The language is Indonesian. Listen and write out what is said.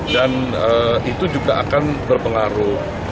dan itu juga akan berpengaruh